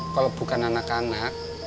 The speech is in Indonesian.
kalau bukan anak anak